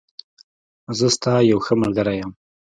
زه ستا یوښه ملګری یم.